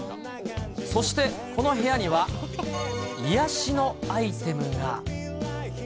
そして、この部屋には癒やしのアイテムが。